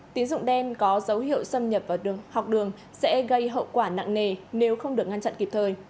tín dụng đen có dấu hiệu xâm nhập vào học đường sẽ gây hậu quả nặng nề nếu không được ngăn chặn kịp thời